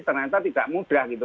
ternyata tidak mudah gitu